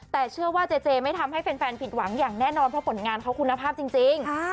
แต่เชื่อว่าเจเจไม่ทำให้แฟนผิดหวังอย่างแน่นอนเพราะผลงานเขาคุณภาพจริง